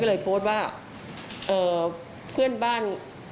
สวัสดีคุณผู้ชายสวัสดีคุณผู้ชาย